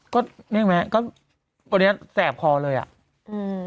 ก็เนี่ยก็วันนี้แสบคอเลยอ่ะอืม